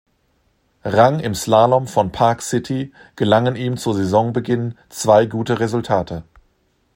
Rang im Slalom von Park City gelangen ihm zu Saisonbeginn zwei gute Resultate.